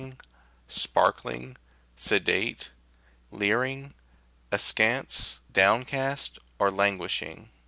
nacin" , sparkling, sedate, leering, askance, downcast, or lan guishing.